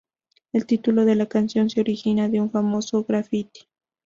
El título de la canción se origina de un famoso graffiti.